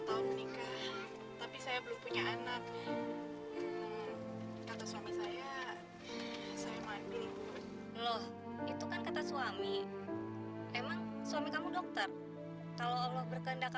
bang oji aku maafkanmu bang